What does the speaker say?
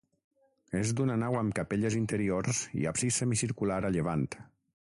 És d'una nau amb capelles interiors i absis semicircular a llevant.